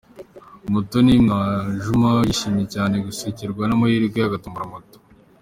Umutoni Mwajuma yishimiye cyane gusekerwa n'amahirwe agatombora Moto.